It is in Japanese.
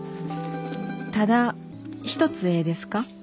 「ただ一つええですか？」。